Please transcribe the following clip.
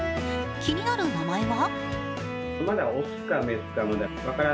気になる名前は？